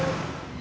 lỡ có thì sao ạ